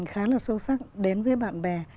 khá là sâu sắc đến với bạn bè